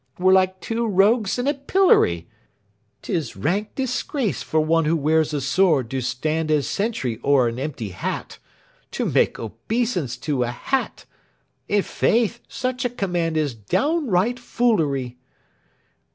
We're like two rogues in a pillory. 'Tis rank disgrace for one who wears a sword to stand as sentry o'er an empty hat. To make obeisance to a hat! I' faith, such a command is downright foolery!"